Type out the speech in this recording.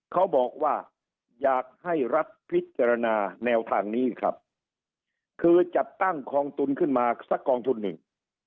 เขาบอกว่าอยากให้รัฐพิจารณาแนวทางนี้ครับคือจัดตั้งกองทุนขึ้นมาสักกองทุนหนึ่ง